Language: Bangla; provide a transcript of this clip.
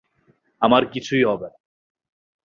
আমার কিছুই হবে না।